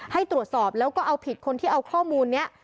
ให้ตรวจสอบแล้วก็เอาผิดคนที่เอาข้อมูลนี้